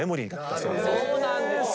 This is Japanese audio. そうなんですか。